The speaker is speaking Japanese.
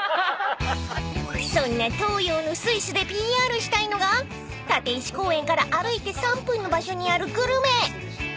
［そんな東洋のスイスでＰＲしたいのが立石公園から歩いて３分の場所にあるグルメ］